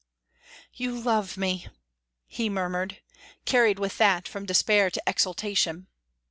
"You love me!" he murmured, carried with that from despair to exultation.